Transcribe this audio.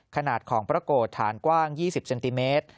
ขนาดของพระโกรธฐานกว้าง๒๐เซนติเมตร